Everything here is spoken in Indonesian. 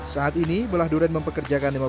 saat ini belah durian mempekerjakan lima belas karyawan